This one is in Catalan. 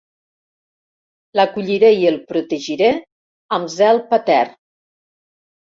L'acolliré i el protegiré amb zel patern.